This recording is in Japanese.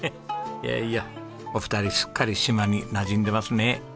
いやいやお二人すっかり島になじんでますね。